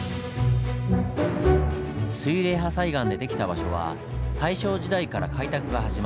水冷破砕岩で出来た場所は大正時代から開拓が始まり